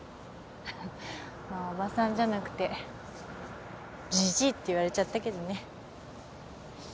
まあおばさんじゃなくてじじいって言われちゃったけどね。